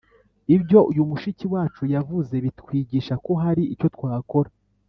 Ibyo uyu mushiki wacu yavuze bitwigisha ko hari icyo twakora